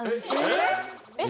えっ！？